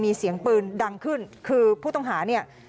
มีเสียงปืนดังขึ้นคือผู้ต้องหาเนี่ย